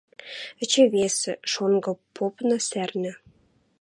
Эче весӹ — шонгы попна — сӓрнӓ